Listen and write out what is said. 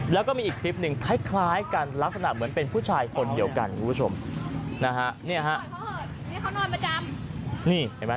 แล้วก็มีอีกคลิปนึงคล้ายการลักษณะเหมือนเป็นผู้ชายคนเหลียวกัน